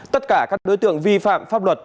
tất cả các đối tượng vi phạm pháp luật